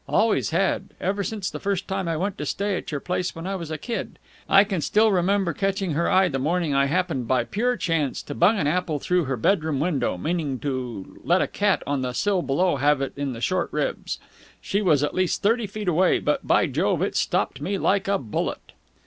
Always has, ever since the first time I went to stay at your place when I was a kid. I can still remember catching her eye the morning I happened by pure chance to bung an apple through her bedroom window, meaning to let a cat on the sill below have it in the short ribs. She was at least thirty feet away, but, by Jove, it stopped me like a bullet!"